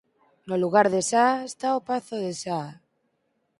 No lugar de Saa está o Pazo de Saa.